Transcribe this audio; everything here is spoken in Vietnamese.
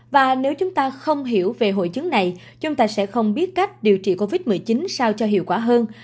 và nếu chúng ta không hiểu về hội chứng này chúng ta sẽ không biết cách điều trị covid một mươi chín sao cho hiệu quả hơn